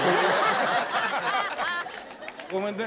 ごめんね。